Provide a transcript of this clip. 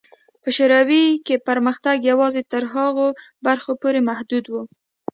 په شوروي کې پرمختګ یوازې تر هغو برخو پورې محدود و.